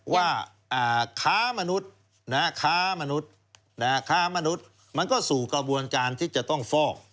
ว่าค้ามนุษย์มันก็สู่กระบวนการที่จะต้องฟอก